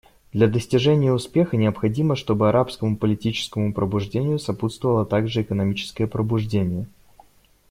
Для достижения успеха необходимо, чтобы арабскому политическому пробуждению сопутствовало также экономическое пробуждение.